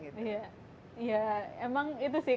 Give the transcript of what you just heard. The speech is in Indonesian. ya emang itu sih